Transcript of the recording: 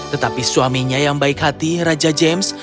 tetapi suaminya yang baik hati raja james